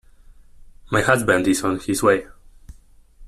My husband is on his way.